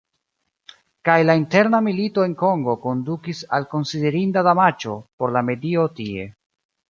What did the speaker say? Kaj la interna milito en Kongo kondukis al konsiderinda damaĝo por la medio tie.